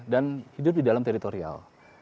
dan hidup di dalam teritorial